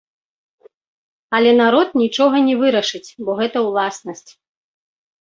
Але народ нічога не вырашыць, бо гэта ўласнасць.